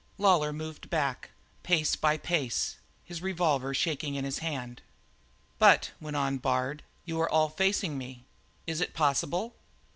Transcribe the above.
Lawlor moved back, pace by pace, his revolver shaking in his hand. "But," went on Bard, "you are all facing me. Is it possible?"